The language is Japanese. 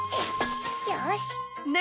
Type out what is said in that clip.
よし。